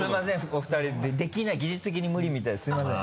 お二人できない技術的に無理みたいすみません。